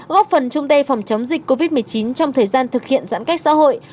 góp phần chung tay phòng chống dịch covid một mươi chín trong thời gian thực hiện giãn cách xã hội